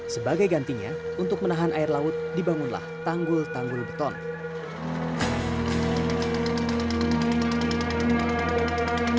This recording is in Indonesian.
sebagai gantinya untuk menahan air laut dibangunlah tanggul tanggul beton